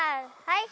はい！